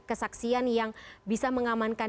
kesaksian yang bisa mengamankan